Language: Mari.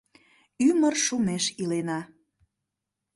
Ӱмыр шумеш илена...